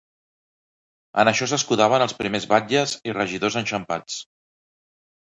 En això s’escudaven els primers batlles i regidors enxampats.